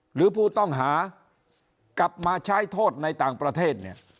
หรือผู้ต้องหากลับมาใช้โทษในต่างประเทศเนี่ย